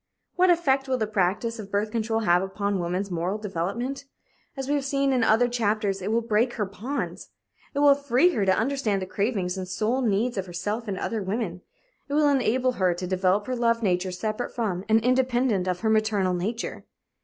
What effect will the practice of birth control have upon woman's moral development? As we have seen in other chapters, it will break her bonds. It will free her to understand the cravings and soul needs of herself and other women. It will enable her to develop her love nature separate from and independent of her maternal nature.